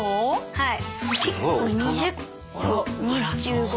はい。